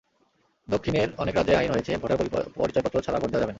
দক্ষিণের অনেক রাজ্যেই আইন হয়েছে—ভোটার পরিচয়পত্র ছাড়া ভোট দেওয়া যাবে না।